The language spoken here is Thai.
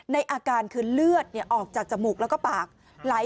ในอาการคือเลือดออกจากจมูกแล้วก็ปากไหล